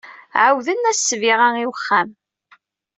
Ɛawden-as ssbiɣa i wexxam.